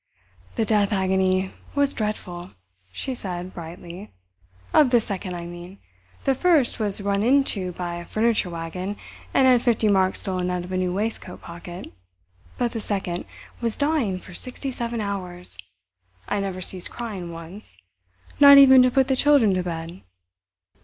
"The death agony was dreadful," she said brightly; "of the second, I mean. The 'first' was run into by a furniture wagon, and had fifty marks stolen out of a new waistcoat pocket, but the 'second' was dying for sixty seven hours. I never ceased crying once—not even to put the children to bed."